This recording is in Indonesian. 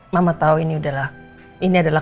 mama tau ini adalah